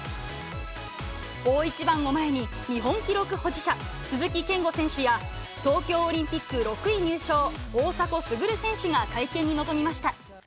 大一番を前に、日本記録保持者、鈴木健吾選手や、東京オリンピック６位入賞、大迫傑選手が会見に臨みました。